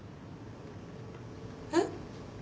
えっ？